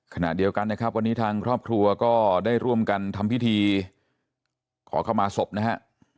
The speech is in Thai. ขณะเดียวกันนะครับวันนี้ทางครอบครัวก็ได้ร่วมกันทำพิธีขอเข้ามาศพนะฮะ